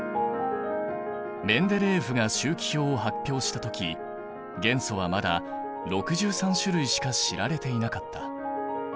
メンデレーエフが周期表を発表した時元素はまだ６３種類しか知られていなかった。